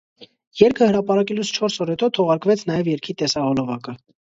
Երգը հրապարակելուց չորս օր հետո թողարկվեց նաև երգի տեսահոլովակը։